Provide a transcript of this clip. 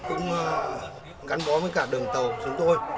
cũng gắn bó với cả đường tàu chúng tôi